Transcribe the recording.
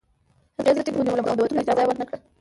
هغې زه ټینګ ونیولم او د وتلو اجازه یې ورنکړه